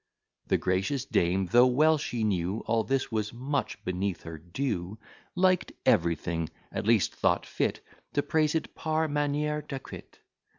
The gracious dame, though well she knew All this was much beneath her due, Liked everything at least thought fit To praise it par manière d'acquit.